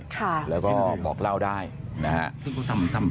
ค่ะแล้วก็บอกเล่าได้นะฮะ